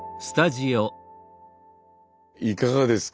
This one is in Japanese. いかがですか。